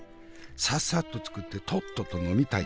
ささっと作ってとっとと呑みたい。